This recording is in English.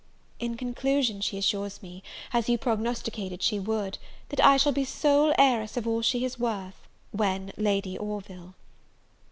In conclusion, she assures me, as you prognosticated she would, that I shall be sole heiress of all she is worth, when Lady Orville.